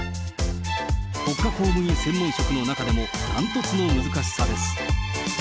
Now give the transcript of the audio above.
国家公務員専門職の中でも断トツの難しさです。